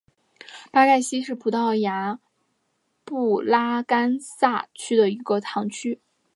巴盖希是葡萄牙布拉干萨区的一个堂区。